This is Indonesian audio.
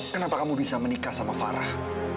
kenapa kamu bisa menikah sama farah